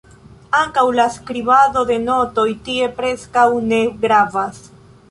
Ankaŭ la "skribado" de notoj tie preskaŭ ne gravas.